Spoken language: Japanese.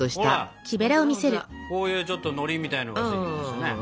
こういうちょっとのりみたいなのがついてきましたね。